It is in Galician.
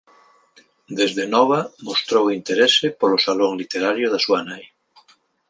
Desde nova mostrou interese polo salón literario da súa nai.